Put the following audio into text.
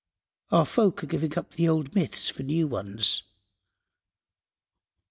Our folk are giving up the old myths for new ones.